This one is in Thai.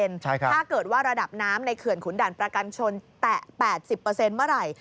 ถ้าเกิดว่าระดับน้ำในเขื่อนขุนด่านประกันชนแตะ๘๐เมื่อไหร่